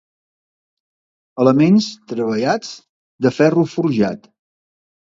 Elements treballats de ferro forjat.